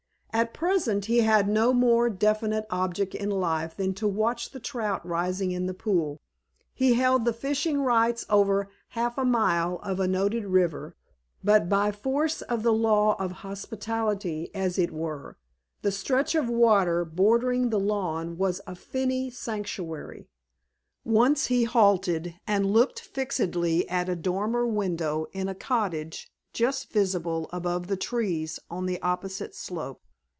At present he had no more definite object in life than to watch the trout rising in the pool. He held the fishing rights over half a mile of a noted river, but, by force of the law of hospitality, as it were, the stretch of water bordering the lawn was a finny sanctuary. Once, he halted, and looked fixedly at a dormer window in a cottage just visible above the trees on the opposite slope.